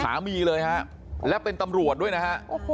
สามีเลยฮะและเป็นตำรวจด้วยนะฮะ